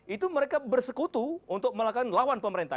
itu mereka bersekutu untuk melakukan lawan pemerintah